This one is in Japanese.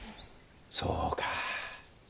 そうか。